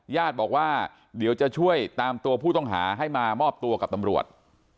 ญาติบอกว่าเดี๋ยวจะช่วยตามตัวผู้ต้องหาให้มามอบตัวกับตำรวจ